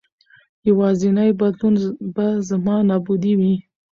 یوازېنی بدلون به زما نابودي وي.